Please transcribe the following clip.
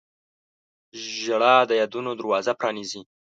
• ژړا د یادونو دروازه پرانیزي.